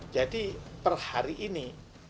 jadi per hari ini